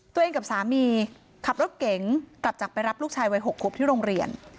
ตัวเองกับสามีขับรถเก๋งกลับจากไปรับลูกชายวัย๖ควบที่โรงเรียน